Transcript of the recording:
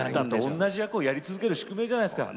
同じ役をやり続ける宿命じゃないですか。